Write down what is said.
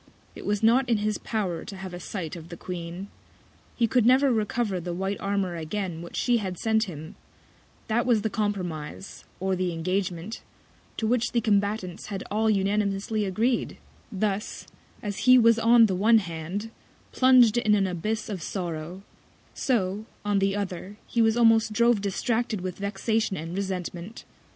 It was not in his Power to have a Sight of the Queen; he could never recover the white Armour again which She had sent him; That was the Compromise, or the Engagement, to which the Combatants had all unanimously agreed: Thus, as he was on the one Hand, plung'd in an Abyss of Sorrow; so on the other, he was almost drove distracted with Vexation and Resentment.